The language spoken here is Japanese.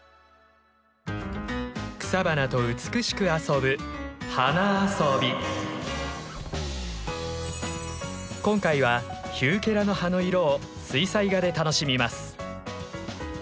草花と美しく遊ぶ今回はヒューケラの葉の色を水彩画で楽しみます。